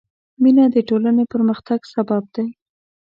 مینه د ټولنې پرمختګ سبب دی.